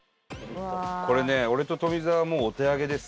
これね俺と富澤はもうお手上げです。